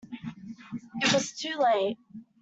It was too late.